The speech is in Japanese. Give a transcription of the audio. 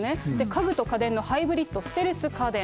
家具と家電のハイブリッド、ステルス家電。